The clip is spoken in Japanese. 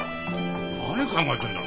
何考えてんだ。